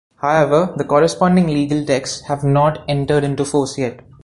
However, the corresponding legal texts have not entered into force yet.